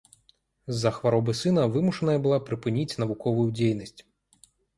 З-за хваробы сына вымушаная была прыпыніць навуковую дзейнасць.